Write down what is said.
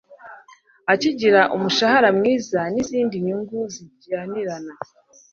akagira umushahara mwiza n izindi nyungu zijyanirana